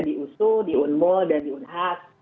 di usu di unmul dan di unhab